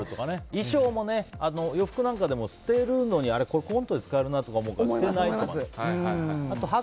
衣装も、洋服なんかでも捨てるのにコントで使えるからと思って捨てないとか。